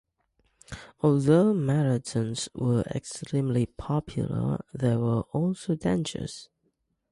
Although marathons were extremely popular, they were also dangerous.